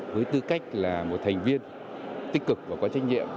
với tư cách là một thành viên tích cực và có trách nhiệm